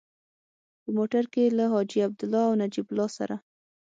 په موټر کې له حاجي عبدالله او نجیب الله سره.